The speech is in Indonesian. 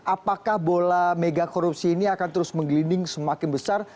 apakah bola megakorupsi ini akan terus menggelinding semakin besar